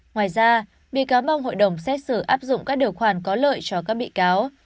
ngoài ra bị cáo mong hội đồng xét xử áp dụng các điều khoản có lợi cho các bị cáo